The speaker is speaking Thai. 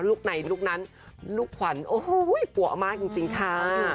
คไหนลูกนั้นลูกขวัญโอ้โหปัวมากจริงค่ะ